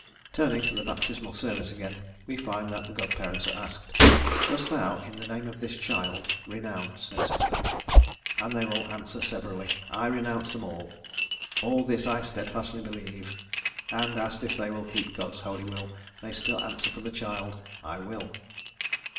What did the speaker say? Turning to the Baptismal Service again, we find that the godparents are asked, "Dost thou, in the name of this child, renounce," &c, and they answer severally, "I renounce them all," "All this I steadfastly believe;" and, asked if they will keep God's holy will, they still answer for the child, "I will."